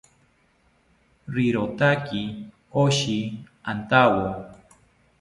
Rirotaki oshi antawo